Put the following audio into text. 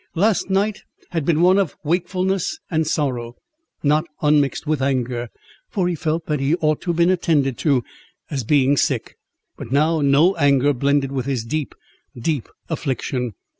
Last night had been one of wakefulness and sorrow, not unmixed with anger, for he felt that he ought to have been attended to, as being sick; but now no anger blended with his deep, deep affliction.